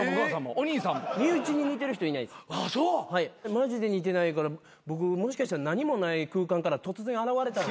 マジで似てないから僕もしかしたら何もない空間から突然現れた。